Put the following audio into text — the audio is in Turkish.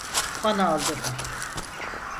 Bana aldırma.